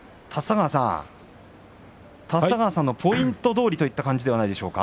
立田川さんのポイントどおりといった感じじゃないですか。